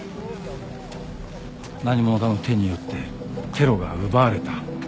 何者かの手によってテロが奪われた。